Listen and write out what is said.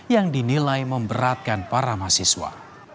yang dinilai memberatkan para mahasiswa